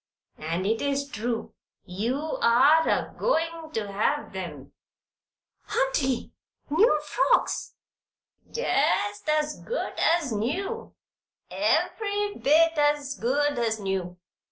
And it is true. You are a goin' to have 'em." "Auntie! New frocks!" "Just as good as new. Ev'ry bit as good as new.